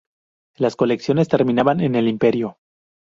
Las colecciones terminan en el Imperio.